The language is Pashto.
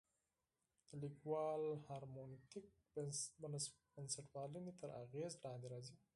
د لیکوال هرمنوتیک د بنسټپالنې تر اغېز لاندې راځي.